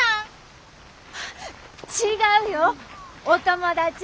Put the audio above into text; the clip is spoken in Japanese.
お友達。